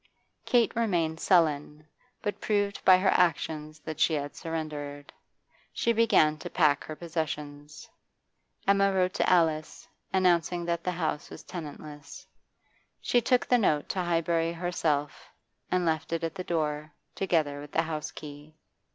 Kate remained sullen, but proved by her actions that she had surrendered; she began to pack her possessions. Emma wrote to Alice, announcing that the house was tenantless; she took the note to Highbury herself, and left it at the door, together with the house key.